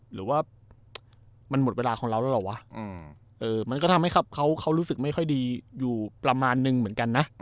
หรือว่ามันหมดเวลาของเราแล้วเหรอวะมันก็ทำให้เขารู้สึกไม่ค่อยดีอยู่ประมาณนึงเหมือนกันนะ